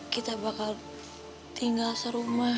kita bakal tinggal serumah